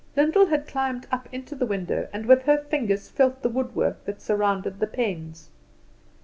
Lyndall had climbed up into the window, and with her fingers felt the woodwork that surrounded the panes.